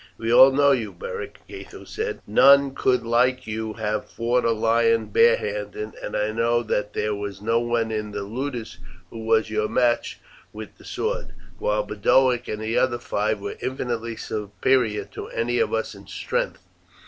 "We all know you, Beric," Gatho said. "None could like you have fought a lion barehanded, and I know that there was no one in the ludus who was your match with the sword, while Boduoc and the other five were infinitely superior to any of us in strength.